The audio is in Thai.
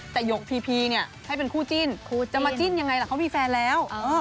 แต่หยกพีพีเนี่ยให้เป็นคู่จิ้นจะมาจิ้นยังไงล่ะเขามีแฟนแล้ว